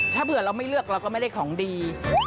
ถ้าเผื่อเราไม่เลือกเราก็ไม่ได้ของดี